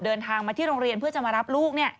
เดินทางมาที่โรงเรียนเพื่อจะมารับลูก